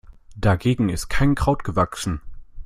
Dagegen ist kein Kraut gewachsen.